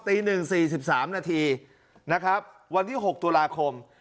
ตีหนึ่ง๔๓นาทีนะครับวันที่๖ตัวลาคม